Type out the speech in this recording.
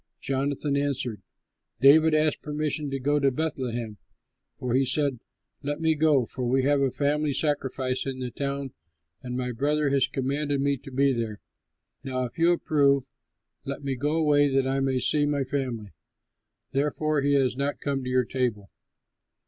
Jonathan answered, "David asked permission to go to Bethlehem, for he said, 'Let me go, for we have a family sacrifice in the town, and my brother has commanded me to be there. Now if you approve, let me go away that I may see my family.' Therefore, he has not come to your table."